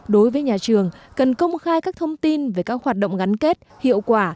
đối với nhà trường cần công khai các thông tin về các hoạt động gắn kết hiệu quả